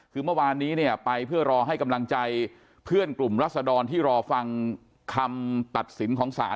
คือเมื่อวานนี้เนี่ยไปเพื่อรอให้กำลังใจเพื่อนกลุ่มรัศดรที่รอฟังคำตัดสินของศาล